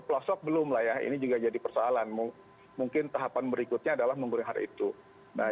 pelosok belum lah ya ini juga jadi persoalan mungkin tahapan berikutnya adalah memberi hari itu nah